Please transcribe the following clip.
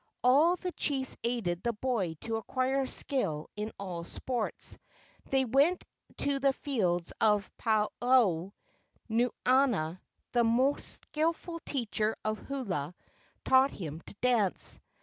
All the chiefs aided the boy to acquire skill in all sports. They went to the fields of Paaohau. Nuanua, the most skilful teacher of hula, taught him to dance.